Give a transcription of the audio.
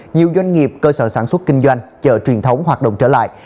nhiều doanh nghiệp cơ sở sản xuất kinh doanh chợ truyền thống hoạt động trở lại